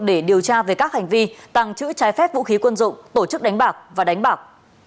để điều tra về các hành vi tàng trữ trái phép vũ khí quân dụng tổ chức đánh bạc và đánh bạc